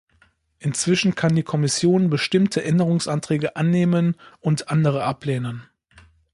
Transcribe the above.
Inzwischen kann die Kommission bestimmte Änderungsanträge annehmen und andere ablehnen.